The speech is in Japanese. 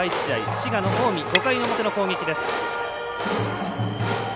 滋賀の近江、５回表の攻撃です。